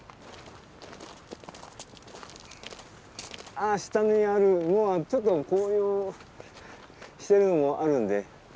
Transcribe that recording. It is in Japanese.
あ下にあるのはちょっと紅葉してるのもあるんで。